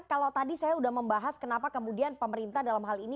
kalau tadi saya sudah membahas kenapa kemudian pemerintah dalam hal ini